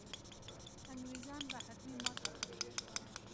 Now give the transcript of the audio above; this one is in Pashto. انګرېزان به حتمي ماته خوري.